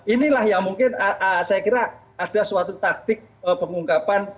inilah yang mungkin saya kira ada suatu taktik pengungkapan